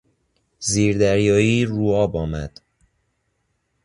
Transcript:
زیردریایی رو آب آمد.